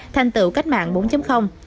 thành tựu cách mạng bốn